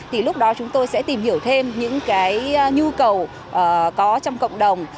thì lúc đó chúng tôi sẽ tìm hiểu thêm những cái nhu cầu có trong cộng đồng